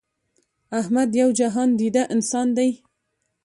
احمد یو جهان دیده انسان دی.